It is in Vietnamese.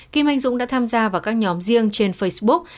kim anh dũng đã tham gia vào các nhóm riêng trên facebook